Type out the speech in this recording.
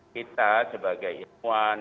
kita sebagai ilmuwan